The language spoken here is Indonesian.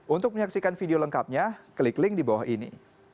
untuk menyaksikan video lengkapnya klik link di bawah ini